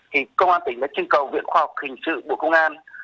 thì công an tỉnh đã trưng cầu viện khoa học hình sự bộ công an